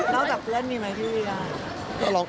นอกจากเพื่อนมีไหมพี่วิการ